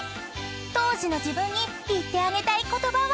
［当時の自分に言ってあげたい言葉は？］